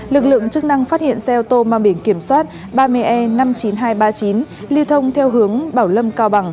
lực lượng chức năng phát hiện xe ô tô mang biển kiểm soát ba mươi e năm mươi chín nghìn hai trăm ba mươi chín lưu thông theo hướng bảo lâm cao bằng